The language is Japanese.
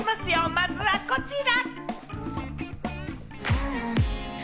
まずはこちら！